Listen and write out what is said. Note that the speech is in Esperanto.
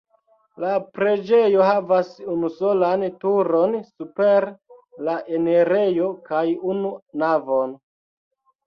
La preĝejo havas unusolan turon super la enirejo kaj unu navon.